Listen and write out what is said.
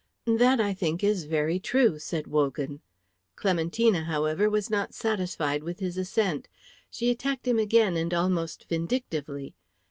"That I think is very true," said Wogan. Clementina, however, was not satisfied with his assent. She attacked him again and almost vindictively.